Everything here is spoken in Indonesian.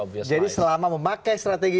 obvious lies jadi selama memakai strategi